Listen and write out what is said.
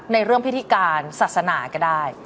ในเรื่องพิธีการศาสนาก็ได้